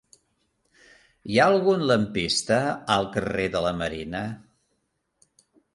Hi ha algun lampista al carrer de la Marina?